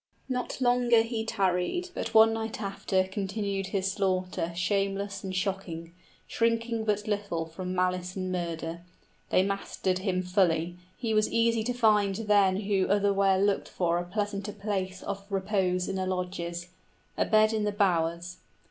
Not longer he tarried, But one night after continued his slaughter Shameless and shocking, shrinking but little From malice and murder; they mastered him fully. He was easy to find then who otherwhere looked for 25 A pleasanter place of repose in the lodges, A bed in the bowers.